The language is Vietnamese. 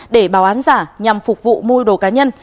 để báo án giả nhằm phục vụ mua đồ cá nhân